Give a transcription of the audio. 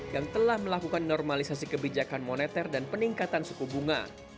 yang telah melakukan normalisasi kebijakan moneter dan peningkatan ekonomi